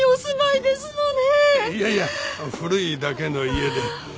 いやいや古いだけの家で。